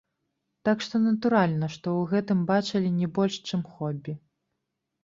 Так што натуральна, што ў гэтым бачылі не больш чым хобі.